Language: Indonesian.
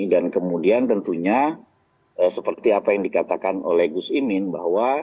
dan kemudian tentunya seperti apa yang dikatakan oleh gusimin bahwa